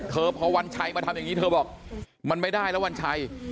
พอวันชัยมาทำอย่างนี้เธอบอกมันไม่ได้แล้ววันชัย